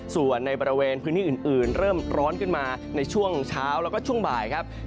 ส่วนในบริเวณพื้นที่อื่นเริ่มร้อนขึ้นมาในช่วงเช้าแล้วก็ช่วงบ่ายครับ